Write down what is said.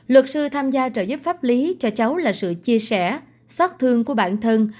luật sư tham gia trợ giúp pháp lý cho cháu là sự chia sẻ xót thương của bản thân